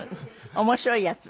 面白いやつ。